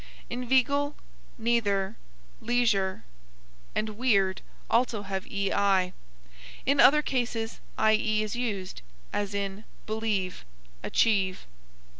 Inveigle, neither, leisure and weird also have ei. In other cases ie is used, as in believe, achieve.